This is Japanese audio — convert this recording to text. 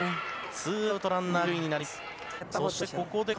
ツーアウトランナーが三塁一塁になります。